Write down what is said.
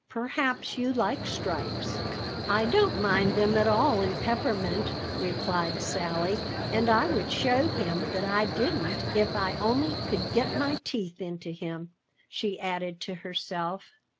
Perhaps you like stripes?" "I don't mind them at all in peppermint," replied Sally. "And I would show him that I didn't if I only could get my teeth into him," she added to herself.